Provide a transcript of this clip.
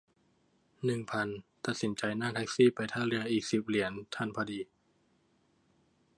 หนึ่งพัน ตัดสินใจนั่งแท็กซี่ไปท่าเรืออีก สิบ เหรียญทันพอดี